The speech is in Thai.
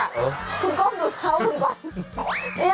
คุณก้มดูเท้าคุณก่อน